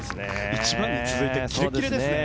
１番に続いてキレキレですね。